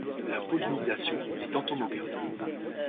La pollinisation est entomogame.